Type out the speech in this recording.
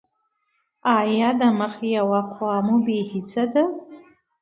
ایا د مخ یوه خوا مو بې حسه ده؟